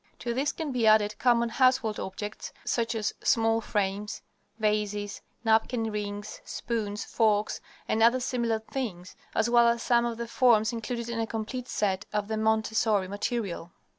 To these can be added common household objects such as small frames, vases, napkin rings, spoons, forks, and other similar things, as well as some of the forms included in a complete set of the Montessori material.